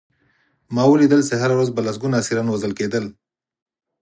ما ولیدل چې هره ورځ به لسګونه اسیران وژل کېدل